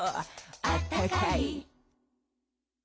「あったかい！」